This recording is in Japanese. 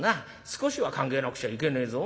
少しは考えなくちゃいけねえぞ。